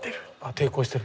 抵抗してる。